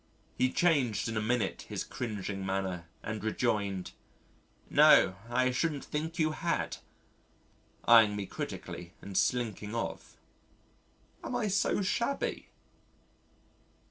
He changed in a minute his cringeing manner and rejoined: "No, I shouldn't think you had," eyeing me critically and slinking off. Am I so shabby?